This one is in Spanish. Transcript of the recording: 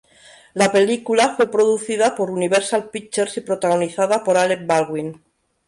La película fue producida por Universal Pictures y protagonizada por Alec Baldwin.